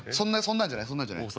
そんなんじゃないそんなんじゃない。